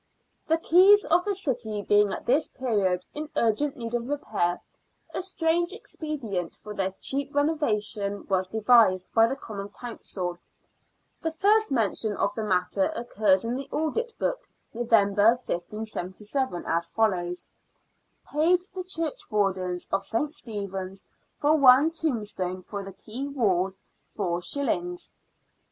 The quays of the city being at this period in urgent need of repair, a strange expedient for their cheap renova tion was devised by the Common Council. The first mention of the matter occurs in the audit book, November, 1577, 3 S follows :—" Paid the churchwardens of St. Stephen's for one tombstone for the Quay wall, 4s."